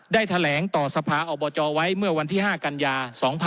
ได้แถลงต่อสภาอบจไว้เมื่อวันที่๕กันยา๒๕๖๒